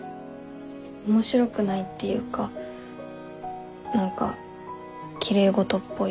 面白くないっていうか何かきれいごとっぽい。